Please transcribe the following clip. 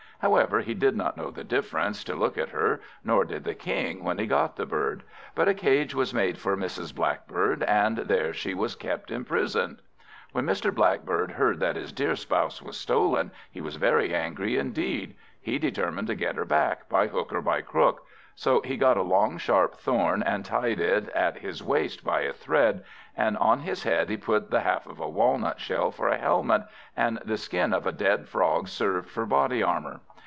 However, he did not know the difference, to look at her, nor did the King when he got the bird; but a cage was made for Mrs. Blackbird, and there she was kept imprisoned. When Mr. Blackbird heard that his dear spouse was stolen, he was very angry indeed. He determined to get her back, by hook or by crook. So he got a long sharp thorn, and tied it at his waist by a thread; and on his head he put the half of a walnut shell for a helmet, and the skin of a dead frog served for body armour.